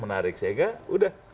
menarik sehingga sudah